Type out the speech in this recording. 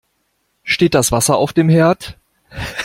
Steht das Wasser auf dem Herd?